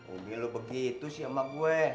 ubi lo begitu sih sama gue